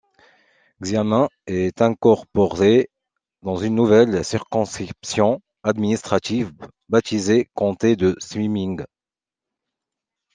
Xiamen est incorporée dans une nouvelle circonscription administrative baptisée comté de Siming.